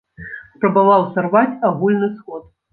Спрабаваў сарваць агульны сход!